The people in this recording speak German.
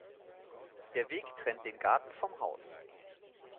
Der Weg trennt den Garten vom Haus.